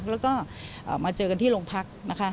แล้วก็มาเจอกันที่โรงพรรค